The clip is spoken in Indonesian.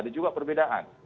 ada juga perbedaan